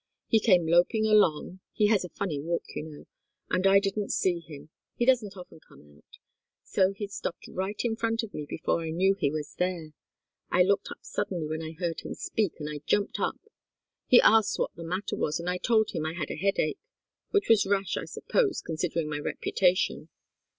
He came loping along he has a funny walk, you know and I didn't see him. He doesn't often come out. So he'd stopped right in front of me before I knew he was there. I looked up suddenly when I heard him speak, and I jumped up. He asked what the matter was, and I told him I had a headache, which was rash, I suppose, considering my reputation.